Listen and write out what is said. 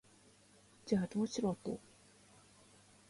じゃあ、どうしろと？